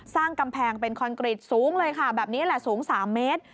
สร้างกำแพงเป็นคอนกรีตสูงเลยค่ะแบบนี้แหละสูง๓เมตร